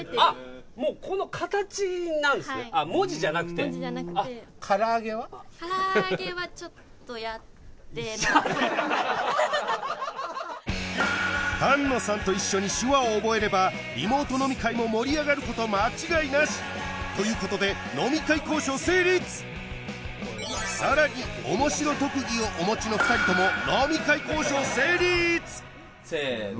もうはい文字じゃなくてちょっとやってない丹野さんと一緒に手話を覚えればリモート飲み会も盛り上がること間違いなしということで飲み会交渉成立さらにおもしろ特技をお持ちの２人とも飲み会交渉成立せの